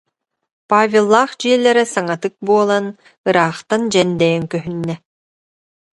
Павеллаах дьиэлэрэ саҥатык буолан ыраахтан дьэндэйэн көһүннэ